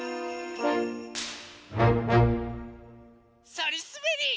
そりすべり。